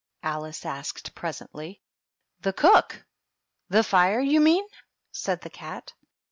Alice asked, pres ently. "The cook! The fire, you mean^ said the cat.